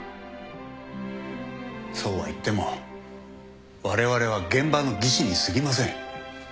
そうはいってもわれわれは現場の技師にすぎません。